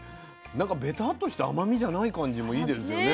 なんかベタッとした甘みじゃない感じもいいですよね。